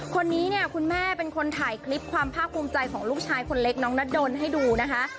คนนี้เนี่ยคุณแม่เป็นคนถ่ายคลิปความภาคภูมิใจของลูกชายคนเล็กน้องนัดดนให้ดูนะคะ